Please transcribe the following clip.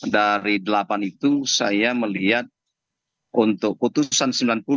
dari delapan itu saya melihat untuk putusan sembilan puluh